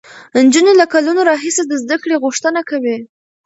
نجونې له کلونو راهیسې د زده کړې غوښتنه کوي.